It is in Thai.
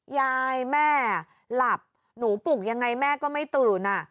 ยายแม่หลับหนูปลุกยังไงแม่ก็ไม่ตื่น